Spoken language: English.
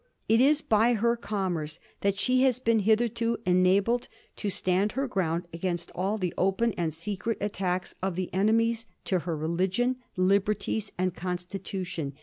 It is by her commerce that she has been hith erto enabled to stand her ground against all the open and secret attacks of the enemies to her religion, liberties, and constitution.